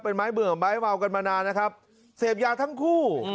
เป็นไม้เบื่อไม้เมากันมานานนะครับเสพยาทั้งคู่